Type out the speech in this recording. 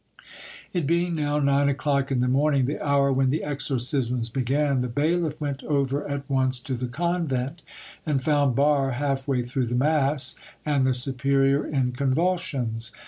It being now nine o'clock in the morning, the hour when the exorcisms began, the bailiff went over at once to the convent, and found Barre half way through the mass, and the superior in convulsions.